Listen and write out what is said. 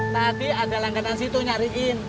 tadi ada langganan situ nyariin